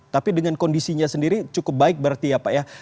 tapi dengan kondisinya sendiri cukup baik berarti ya pak ya